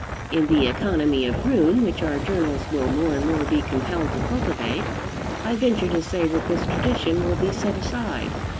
In the economy of room, which our journals will more and more be compelled to cultivate, I venture to say that this tradition will be set aside.